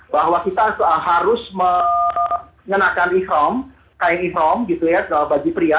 bahwa kita harus mengenakan ikhrom kain ikhrom gitu ya bagi pria